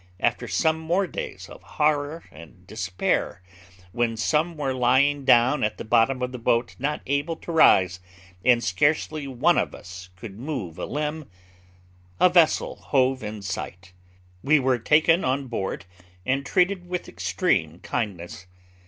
After some more days of horror and despair, when some were lying down at the bottom of the boat not able to rise, and scarcely one of us could move a limb, a vessel hove in sight. We were taken on board, and treated with extreme kindness.